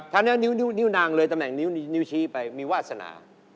ถ้าแนวนิ้วนางเลยตำแหน่งนิ้วชี้ไปมีวาสนา